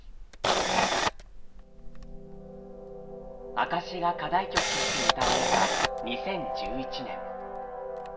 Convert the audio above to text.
「証」が課題曲として歌われた２０１１年。